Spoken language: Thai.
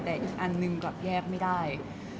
แต่อีกอันหนึ่งกลับแยกไม่ได้